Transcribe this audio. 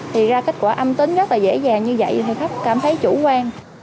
thì ra kết quả âm tính rất là dễ dàng như vậy thì khách cảm thấy chủ quan